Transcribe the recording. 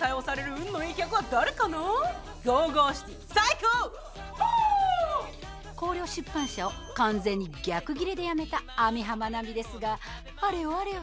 光陵出版社を完全に逆ギレで辞めた網浜奈美ですがあれよ